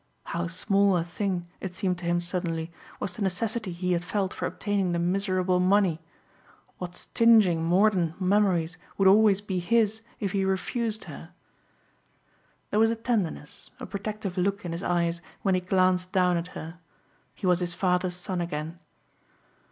How small a thing, it seemed to him suddenly, was the necessity he had felt for obtaining the miserable money. What stinging mordant memories would always be his if he refused her! There was a tenderness, a protective look in his eyes when he glanced down at her. He was his father's son again.